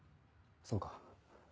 そうか。